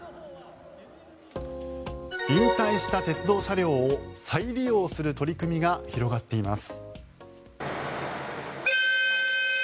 引退した鉄道車両を再利用する取り組みが広がっています。